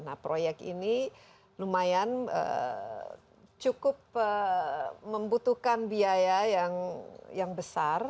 nah proyek ini lumayan cukup membutuhkan biaya yang besar